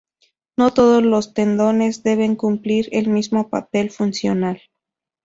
No todos los tendones deben cumplir el mismo papel funcional.